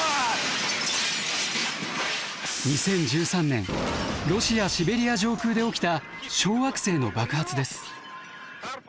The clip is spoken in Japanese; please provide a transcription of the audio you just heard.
２０１３年ロシア・シベリア上空で起きた小惑星の爆発です。